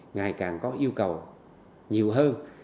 ngày càng có yêu cầu nhiều hơn